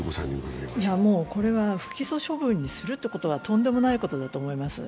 これは不起訴処分にするということはとんでもないことだと思います。